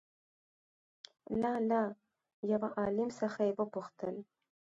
له له يوه عالم څخه يې وپوښتل